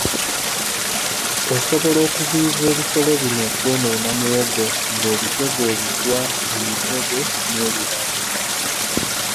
Osobola okuziyiza ebisolo bino okwonoona muwogo ng'obitega obutwa, emitego n'ebirala.